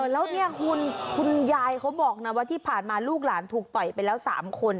แล้วเนี่ยคุณยายเขาบอกนะว่าที่ผ่านมาลูกหลานถูกต่อยไปแล้ว๓คน